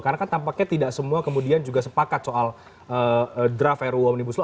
karena kan tampaknya tidak semua kemudian juga sepakat soal draft ruu omnibus law